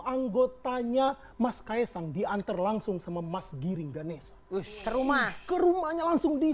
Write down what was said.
anggotanya mas kaisang diantar langsung sama mas giring ganesa ke rumah ke rumahnya langsung di